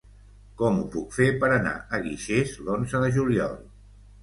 Com ho puc fer per anar a Guixers l'onze de juliol?